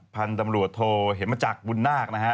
พันตำรวจโทเห็นมาจากบุญนาค